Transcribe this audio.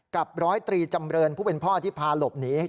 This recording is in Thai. กับร้อยตรีจำเรินผู้เป็นพ่อที่พาหลบหนี